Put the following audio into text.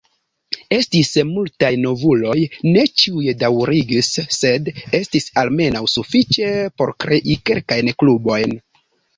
Estis multaj novuloj, ne ĉiuj daŭrigis, sed estis almenaŭ sufiĉe por krei kelkajn klubojn.